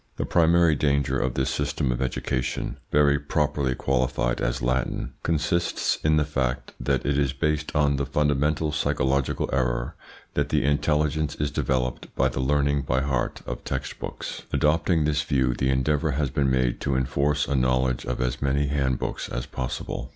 The primary danger of this system of education very properly qualified as Latin consists in the fact that it is based on the fundamental psychological error that the intelligence is developed by the learning by heart of text books. Adopting this view, the endeavour has been made to enforce a knowledge of as many hand books as possible.